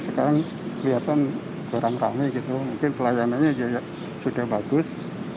sekarang kelihatan kurang rame gitu mungkin pelayanannya sudah bagus